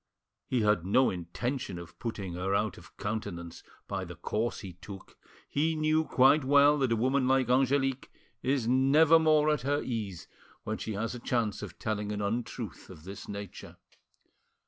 He had no intention of putting her out of countenance by the course he took; he knew quite well that a woman like Angelique is never more at her ease than when she has a chance of telling an untruth of this nature.